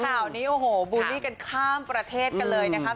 ข่าวนี้โอ้โหบูลลี่กันข้ามประเทศกันเลยนะครับ